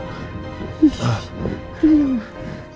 aku ambil obatnya dulu sebentar